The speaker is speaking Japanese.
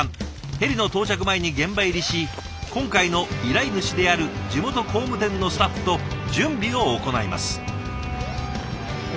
ヘリの到着前に現場入りし今回の依頼主である地元工務店のスタッフと準備を行います。